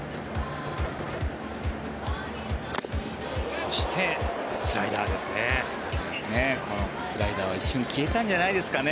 そして、スライダーですね。